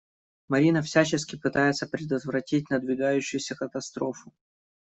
Марина всячески пытается предотвратить надвигающуюся катастрофу.